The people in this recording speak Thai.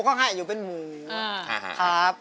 สวัสดีครับ